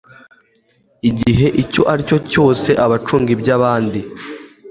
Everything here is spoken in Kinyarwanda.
Igihe icyo ari cyo cyose abacunga iby abandi